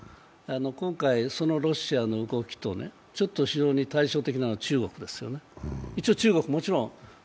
今回、そのロシアの動きとそれと対照的なのは中国です。